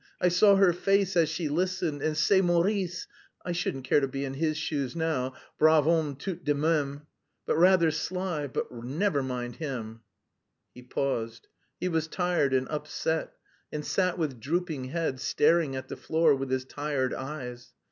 I saw her face as she listened, and _ce Maurice..._I shouldn't care to be in his shoes now, brave homme tout de même, but rather shy; but never mind him...." He paused. He was tired and upset, and sat with drooping head, staring at the floor with his tired eyes.